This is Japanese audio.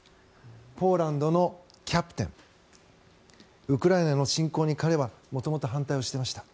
ポーランドのキャプテンウクライナの侵攻に彼は元々反対していました。